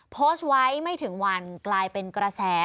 โพสต์ไว้ไม่ถึงวันกลายเป็นกระแส